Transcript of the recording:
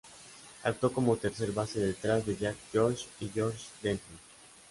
Actuó como tercer base detrás de Jack George y George Dempsey.